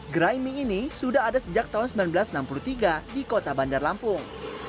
gerai mie ini sudah ada sejak tahun seribu sembilan ratus enam puluh tiga di kota bandar lampung